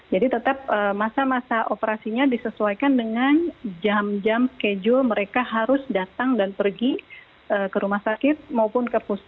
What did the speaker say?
jadi tetap masa masa operasinya disesuaikan dengan jam jam schedule mereka harus datang dan pergi ke rumah sakit maupun ke pusat